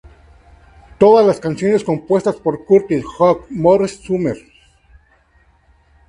Todas las canciones compuestas por Curtis, Hook, Morris, Sumner.